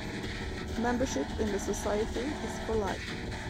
Membership in the society is for life.